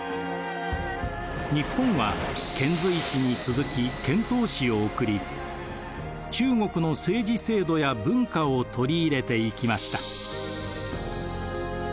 日本は遣隋使に続き遣唐使を送り中国の政治制度や文化を取り入れていきました。